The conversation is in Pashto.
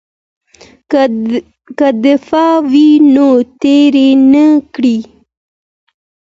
که دفاع وي نو تیری نه کیږي.